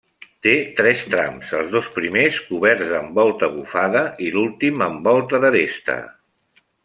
Té tres trams, els dos primers coberts amb volta bufada i l'últim amb volta d'aresta.